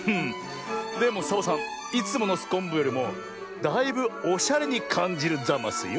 でもサボさんいつものすこんぶよりもだいぶおしゃれにかんじるざますよ。